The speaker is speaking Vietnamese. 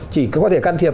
chỉ có thể can thiệp